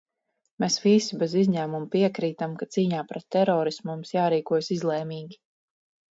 Mēs visi bez izņēmuma piekrītam, ka cīņā pret terorismu mums jārīkojas izlēmīgi.